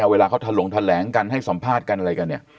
เวลาเขาถลงแถลงกันให้สัมภาษณ์กันอะไรกันเนี่ย